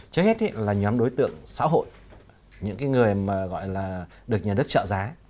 trước hết là nhóm đối tượng xã hội những người được nhà đất trợ giá